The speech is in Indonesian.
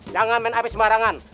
jangan main api semarangan